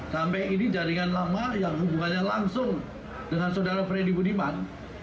sampai ini jaringan lama yang hubungannya langsung dengan saudara freddy budiman